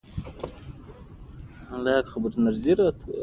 په دې غونډه کې پخوانيو مخالفینو استازو برخه اخیستې وه.